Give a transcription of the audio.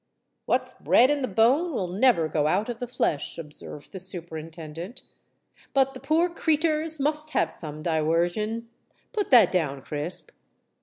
"What's bred in the bone will never go out of the flesh," observed the Superintendent. "But the poor creeturs must have some diwersion. Put that down, Crisp."